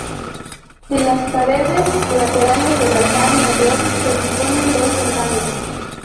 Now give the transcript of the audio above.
En las paredes laterales del altar mayor se disponen dos ventanas.